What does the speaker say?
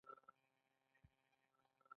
تطبیق یې په ټولو اجباري وي.